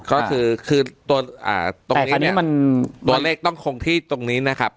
ก็คือตัวเลขต้องคงที่ตรงนี้นะครับ